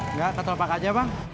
engga satu apa aja bang